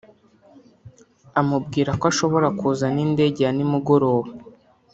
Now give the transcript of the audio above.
amubwira ko ashobora kuza n’indege ya nimugoroba